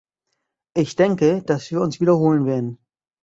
Ich denke, dass wir uns wiederholen werden.